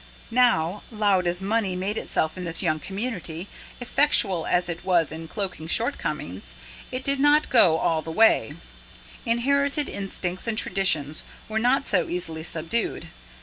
Now, loud as money made itself in this young community, effectual as it was in cloaking shortcomings, it did not go all the way: inherited instincts and traditions were not so easily subdued.